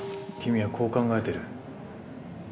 君はこう考えてる。